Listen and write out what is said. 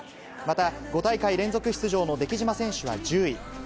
また、５大会連続出場の出来島選手は１０位。